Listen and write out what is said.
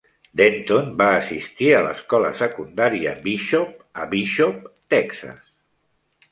Denton va assistir a l'Escola Secundària Bishop a Bishop, Texas.